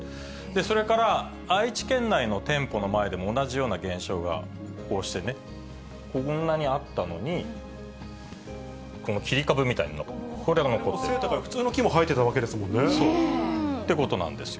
それから、愛知県内の店舗の前でも同じような現象がこうしてね、こんなにあったのに、背の高い普通の木も生えてたってことなんですよ。